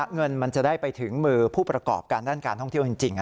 เงินมันจะได้ไปถึงมือผู้ประกอบการด้านการท่องเที่ยวจริง